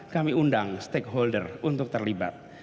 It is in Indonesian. kami undang stakeholder untuk terlibat